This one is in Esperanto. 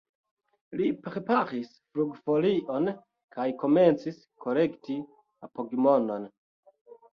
Li preparis flugfolion kaj komencis kolekti apogmonon.